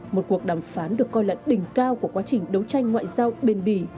một cuộc đàm phán được coi là đỉnh cao của quá trình đấu tranh ngoại giao bên bì